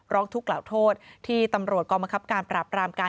ร้องทุกเหล่าโทษที่ตำรวจกรมกรรมการ